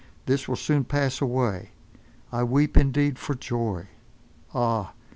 This will soon pass away. I weep, indeed, for joy! Ah!